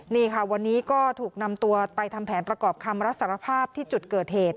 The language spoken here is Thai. นี่ค่ะวันนี้ก็ถูกนำตัวไปทำแผนประกอบคำรับสารภาพที่จุดเกิดเหตุ